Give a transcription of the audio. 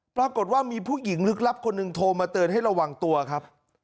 ปรากฏว่ามีผู้หญิงลึกลับคนหนึ่งโทรมาเตือนให้ระวังตัวครับ